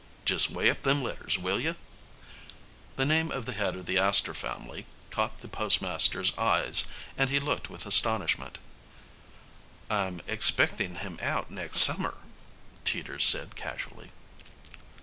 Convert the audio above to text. "Just weigh up them letters, will you?" The name of the head of the Astor family caught the postmaster's eyes and he looked his astonishment. "I'm expectin' him out next summer," Teeters said casually.